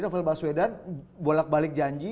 novel baswedan bolak balik janji